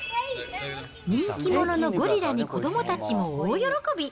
人気者のゴリラに子どもたちも大喜び。